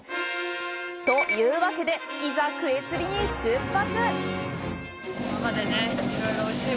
というわけで、いざ、クエ釣りに出発！